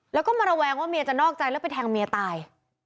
แล้วก็มาระแวงว่าเมียจะนอกใจแล้วไปแทงเมียตาย